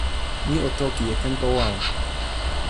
mi o toki e tenpo wawa.